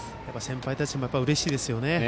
先輩たちもうれしいですね。